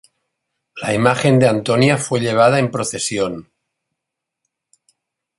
La imagen de Antonia fue llevada en procesión.